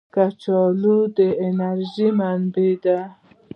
کچالو د انرژۍ منبع ده